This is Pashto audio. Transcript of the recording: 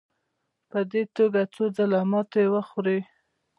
په دې توګه څو ځله ماتې وخوړې.